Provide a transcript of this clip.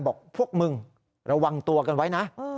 บอกพวกมึงระวังตัวกันไว้นะ